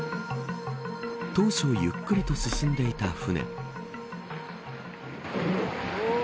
当初ゆっくりと進んでいた舟。